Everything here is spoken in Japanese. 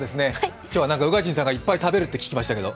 今日は宇賀神さんがいっぱい食べると聞きましたけど。